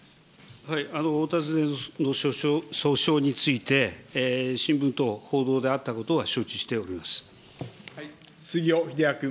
お尋ねの訴訟について、新聞等、報道であったことは承知して杉尾秀哉君。